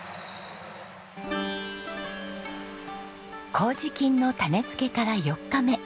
糀菌の種付けから４日目。